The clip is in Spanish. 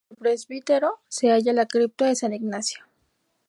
Bajo el presbiterio se halla la cripta de San Ignacio.